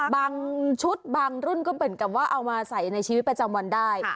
บางชุดบางรุ่นก็เหมือนกับว่าเอามาใส่ในชีวิตประจำวันได้